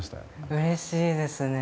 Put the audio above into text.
うれしいですね。